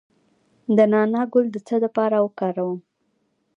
د نعناع ګل د څه لپاره وکاروم؟